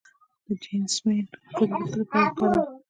د جیسمین ګل د څه لپاره وکاروم؟